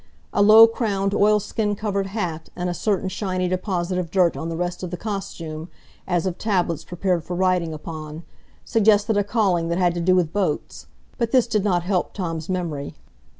A low crowned oilskin covered hat, and a certain shiny deposit of dirt on the rest of the costume, as of tablets prepared for writing upon, suggested a calling that had to do with boats; but this did not help Tom's memory.